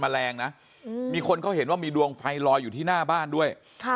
แมลงนะมีคนเขาเห็นว่ามีดวงไฟลอยอยู่ที่หน้าบ้านด้วยค่ะ